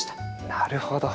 なるほど。